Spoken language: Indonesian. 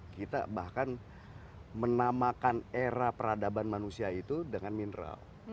kita bahkan menamakan era peradaban manusia itu dengan mineral